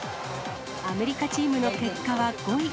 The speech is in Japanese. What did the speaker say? アメリカチームの結果は５位。